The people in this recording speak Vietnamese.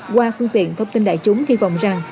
qua phương tiện thông tin đại chúng hy vọng rằng